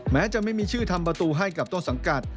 แม้จะไม่มีชื่อทำประตูให้กับต้นสังกัด